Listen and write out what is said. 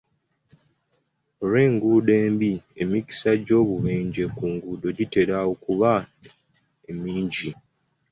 Olw'enguudo embi, emikisa gy'obubenje ku nguudo gitera okuba emingi.